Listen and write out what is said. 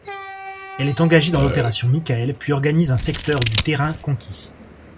Elle est engagée dans l'opération Michael, puis organise un secteur du terrain conquis.